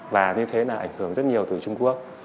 và như thế là ảnh hưởng rất nhiều từ trung quốc